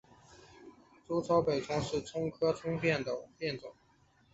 糙葶北葱是葱科葱属的变种。